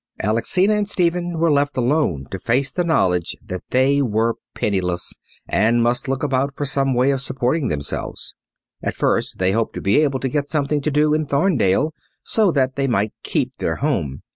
Alexina and Stephen were left alone to face the knowledge that they were penniless, and must look about for some way of supporting themselves. At first they hoped to be able to get something to do in Thorndale, so that they might keep their home.